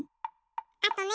あとね